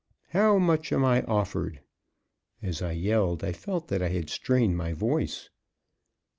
How much am I offered?" As I yelled, I felt that I had strained my voice.